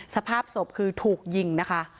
สภาพศพคือถูกยิงนะคะ